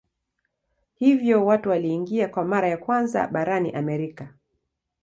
Hivyo watu waliingia kwa mara ya kwanza barani Amerika.